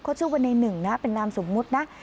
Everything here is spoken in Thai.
เขาชื่อว่าในหนึ่งนะเป็นนามสมมุตินะ